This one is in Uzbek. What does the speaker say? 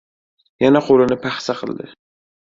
yana qo‘lini paxsa qildi.